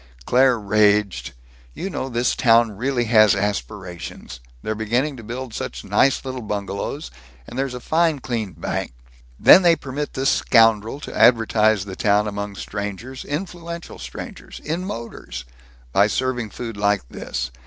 Claire raged: "You know, this town really has aspirations. They're beginning to build such nice little bungalows, and there's a fine clean bank Then they permit this scoundrel to advertise the town among strangers, influential strangers, in motors, by serving food like this!